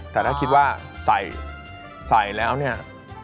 แต่ถ้าคิดว่าใส่ใส่แล้วเนี่ย